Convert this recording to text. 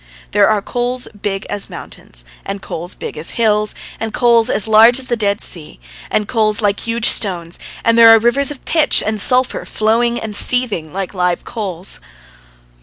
There are coals big as mountains, and coals big as hills, and coals as large as the Dead Sea, and coals like huge stones, and there are rivers of pitch and sulphur flowing and seething like live coals.